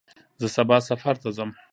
زه سبا سفر ته ځم.